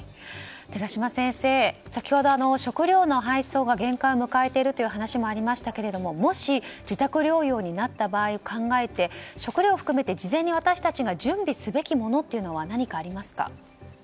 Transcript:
寺嶋先生、先ほど食料の配送が限界を迎えているという話ありましたがもし、自宅療養になった場合を考えて食料を含めて事前に私たちが準備すべきものは何かありますか？